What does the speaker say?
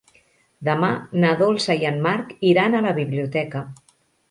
Demà na Dolça i en Marc iran a la biblioteca.